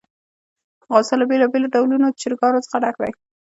افغانستان له بېلابېلو ډولو چرګانو څخه ډک دی.